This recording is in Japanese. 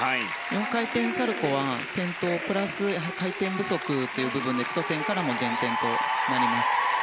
４回転サルコウは転倒プラス回転不足という部分で基礎点からの減点となります。